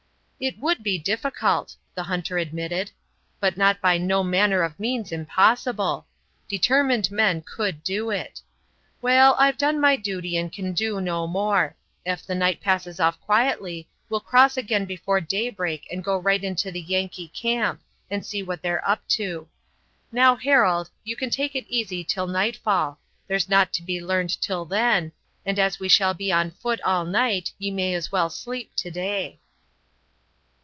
"It would be difficult," the hunter admitted, "but not by no manner of means impossible. Determined men could do it. Waal, I've done my duty and can do no more. Ef the night passes off quietly we'll cross again before daybreak and go right into the Yankee camp and see what they're up to. Now, Harold, you can take it easy till nightfall; there's naught to be learned till then, and as we shall be on foot all night ye may as well sleep to day."